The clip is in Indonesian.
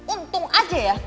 untung aja ya